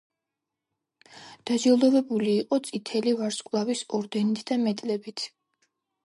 დაჯილდოვებული იყო წითელი ვარსკვლავის ორდენით და მედლებით.